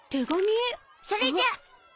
それじゃ。